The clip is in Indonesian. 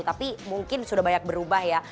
tapi mungkin sudah banyak berubah ya